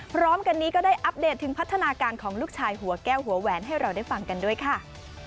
พร้อมกันนี้ก็ได้อัปเดตถึงพัฒนาการของลูกชายหัวแก้วหัวแหวนให้เราได้ฟังกันด้วยค่ะ